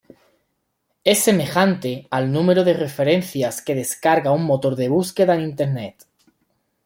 Es semejante al número de referencias que descarga un motor de búsqueda en Internet.